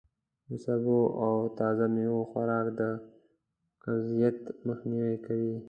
د سبو او تازه میوو خوراک د قبضیت مخنوی کوي.